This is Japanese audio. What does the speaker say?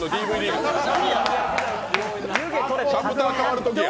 チャプター変わるときや！